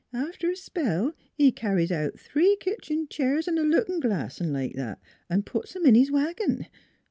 After a spell he carries out three kitchen cheers an' a lookin' glass, 'n' like that, an' puts 'em in his wagon.